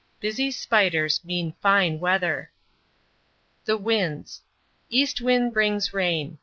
Busy spiders mean fine weather. THE WINDS East wind brings rain.